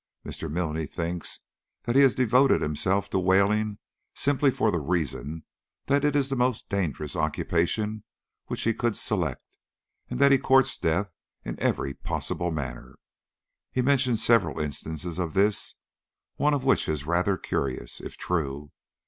Mr. Milne thinks that he has devoted himself to whaling simply for the reason that it is the most dangerous occupation which he could select, and that he courts death in every possible manner. He mentioned several instances of this, one of which is rather curious, if true.